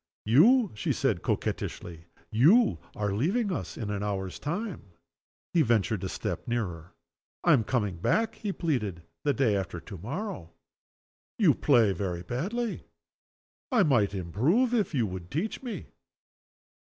"You!" she said, coquettishly. "You are going to leave us in an hour's time!" He ventured a step nearer. "I am coming back," he pleaded, "the day after to morrow." "You play very badly!" "I might improve if you would teach me."